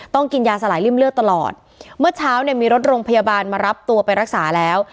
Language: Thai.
กินยาสลายริ่มเลือดตลอดเมื่อเช้าเนี่ยมีรถโรงพยาบาลมารับตัวไปรักษาแล้ว